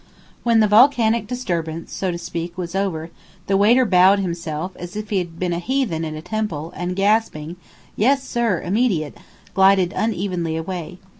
When the volcanic disturbance, so to speak, was over, the waiter bowed himself, as if he had been a heathen in a temple, and gasping, "Yes, sir, immediate," glided unevenly away.